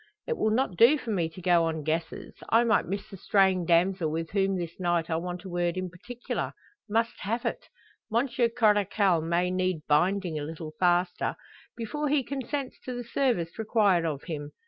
It will not do for me to go on guesses; I might miss the straying damsel with whom this night I want a word in particular must have it. Monsieur Coracle may need binding a little faster, before he consents to the service required of him.